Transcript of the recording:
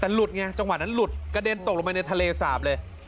แต่หลุดไงจังหวะนั้นหลุดกระเด็นตกลงไปในทะเลสาบเลย